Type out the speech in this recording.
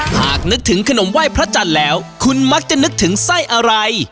หากนึกถึงขนมไหว้พระจันทร์แล้วคุณมักจะนึกถึงไส้อะไร